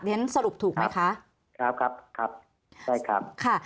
เรียนสรุปถูกไหมคะครับครับได้ครับ